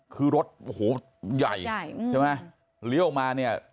คือรถโหใหญ่ใช่ไหมเลี้ยวออกมาเนี่ย